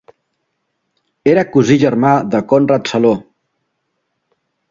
Era cosí germà de Conrad Saló.